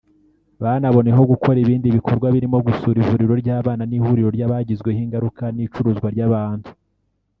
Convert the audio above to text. banaboneyeho gukora ibindi bikorwa birimo gusura ivuriro ry’abana n’ihuriro ry’abagizweho ingaruka n’icuruzwa ry’abantu